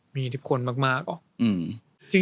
มีอิทธิพลมากออก